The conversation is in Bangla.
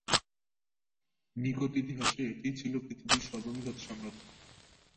নিকট ইতিহাসে এটিই ছিল পৃথিবীর সর্ববৃহৎ সম্রাজ্য।